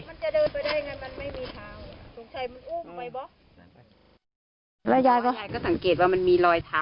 งั้นใหญ่ก็ว่ามันมีรอยเท้ายังไง